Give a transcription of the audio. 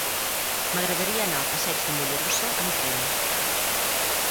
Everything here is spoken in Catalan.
M'agradaria anar al passeig de Mollerussa amb tren.